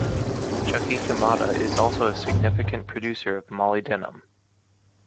Chuquicamata is also a significant producer of molybdenum.